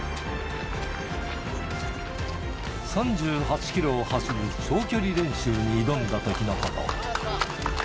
３８キロを走る長距離練習に挑んだときのこと。